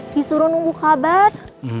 disuruh nunggu kabar